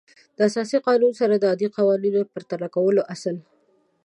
د اساسي قانون سره د عادي قوانینو د پرتله کولو اصل